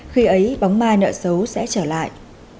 khi ấy bóng mai nợ xấu sẽ trở lại